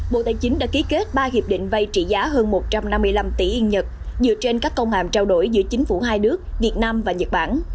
bộ tài chính đã ký kết ba hiệp định vay trị giá hơn một trăm năm mươi năm tỷ yên nhật dựa trên các công hàm trao đổi giữa chính phủ hai nước việt nam và nhật bản